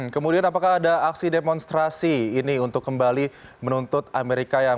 kemudian apakah ada aksi demonstrasi ini untuk kembali menuntut amerika yang